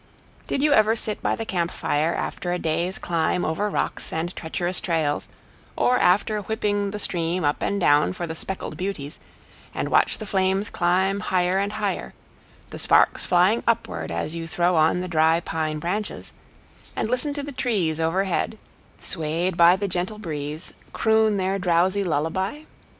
Did you ever sit by the camp fire after a day's climb over rocks and treacherous trails, or after whipping the stream up and down for the speckled beauties, and watch the flames climb higher and higher, the sparks flying upward as you throw on the dry pine branches, and listen to the trees overhead, swayed by the gentle breeze, croon their drowsy lullaby?